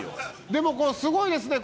でもすごいですね。